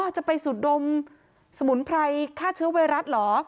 จะไปสุดดมสมุนไพรฆ่าเชื้อไวรัสเหรอ